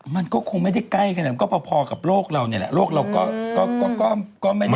มันก็คงไม่ได้ใกล้แค่ไหนก็พอกับโรคเราเนี่ยแหละโรคเราก็ไม่ได้